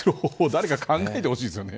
誰か考えてほしいですよね。